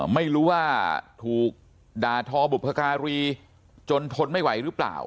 ไม่รู้ว่าถูกด่าทอบุพการีจนทนไม่ไหวหรือเปล่า